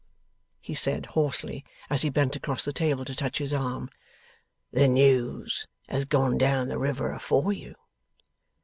he said, hoarsely, as he bent across the table to touch his arm. 'The news has gone down the river afore you.